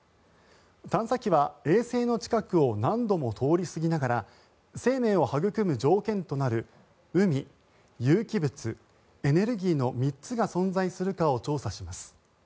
探査機は衛星の近くを何度も通り過ぎながら生命を育む条件となる海、有機物、エネルギーの３つが存在するかを調査します。